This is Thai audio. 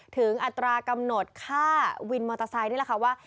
อัตรากำหนดค่าวินมอเตอร์ไซค์นี่แหละค่ะว่า